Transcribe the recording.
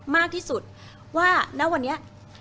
มากที่สุดว่าณวันนี้